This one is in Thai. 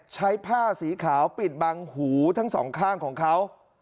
ใช้ผ้าสีขาวปิดบังหูทั้งสองข้างของเขา